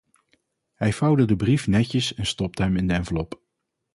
Hij vouwde de brief netjes en stopte hem in de envelop.